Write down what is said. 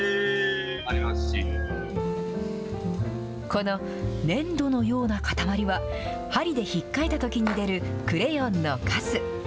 この粘土のような塊は、針でひっかいたときに出るクレヨンのカス。